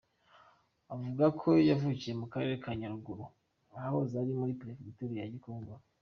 Avuga ko yavukiye mu karere ka Nyaruguru, ahahoze ari muri perefegitura ya Gikongoro.